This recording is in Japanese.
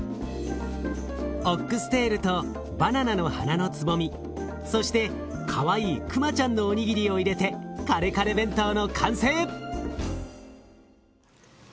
オックステールとバナナの花のつぼみそしてかわいいクマちゃんのおにぎりを入れてカレカレ弁当の完成！